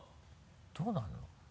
どうなるの？